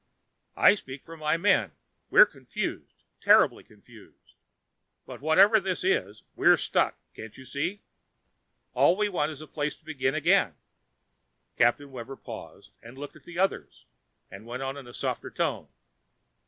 "I speak for my men: we're confused, terribly confused. But whatever this is, we're stuck, can't you see? All we want is a place to begin again " Captain Webber paused, looked at the others and went on in a softer tone.